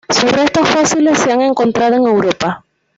Sus restos fósiles se han encontrado en Europa.